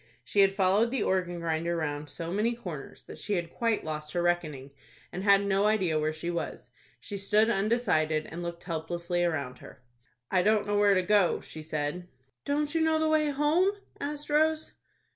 She had followed the organ grinder round so many corners that she had quite lost her reckoning, and had no idea where she was. She stood undecided and looked helplessly around her. "I don't know where to go," she said. "Don't you know the way home?" asked Rose.